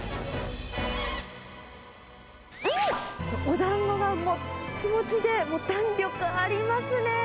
おだんごがもっちもちで、弾力ありますね。